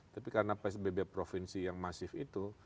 tapi karena psbb provinsi yang masif itu